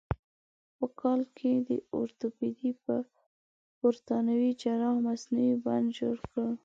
په کال کې د اورتوپیدي یو برتانوي جراح مصنوعي بند جوړ کړ.